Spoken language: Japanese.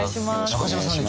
中島さんね